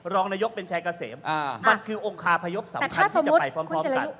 รองนายกเป็นชายเกษมมันคือองคาพยพสำคัญที่จะไปพร้อมกัน